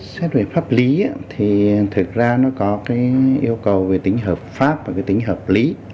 xét về pháp lý thì thực ra nó có cái yêu cầu về tính hợp pháp và cái tính hợp lý